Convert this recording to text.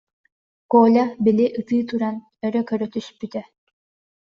Коля, били, ытыы туран, өрө көрө түспүтэ